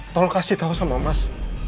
tolong kasih tahu sama mas